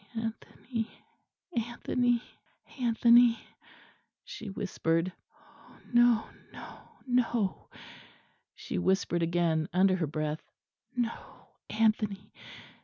"Anthony, Anthony, Anthony!" she whispered. "Oh, no, no, no!" she whispered again under her breath. "No, Anthony!